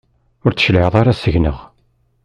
Ur d-tecliɛeḍ ara seg-neɣ.